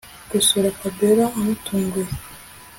gusura Fabiora amutunguye